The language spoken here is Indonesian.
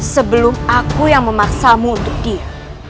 sebelum aku yang memaksamu untuk dia